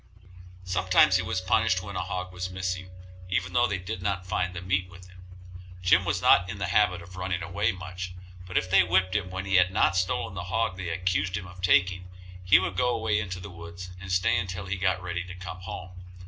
Sometimes he was punished when a hog was missing, even though they did not find the meat with him. Jim was not in the habit of running away much, but if they whipped him when he had not stolen the hog they accused him of taking, he would go away into the woods and stay until he got ready to come home.